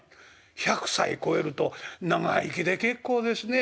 １００歳超えると『長生きで結構ですね』。